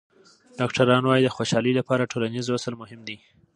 ډاکټران وايي د خوشحالۍ لپاره ټولنیز وصل مهم دی.